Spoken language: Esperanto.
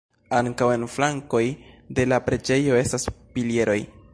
Ankaŭ en flankoj de la preĝejo estas pilieroj.